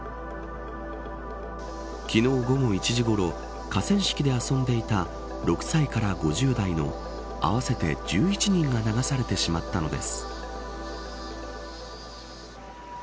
昨日、午後１時ごろ河川敷で遊んでいた６歳から５０代の合わせて１１人が流されてしまったのです。